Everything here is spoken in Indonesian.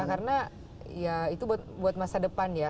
karena ya itu buat masa depan ya